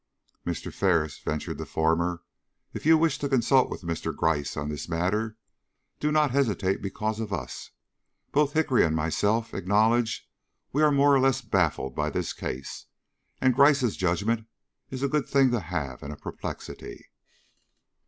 "Mr. Ferris," ventured the former, "if you wish to consult with Mr. Gryce on this matter, do not hesitate because of us. Both Hickory and myself acknowledge we are more or less baffled by this case, and Gryce's judgment is a good thing to have in a perplexity."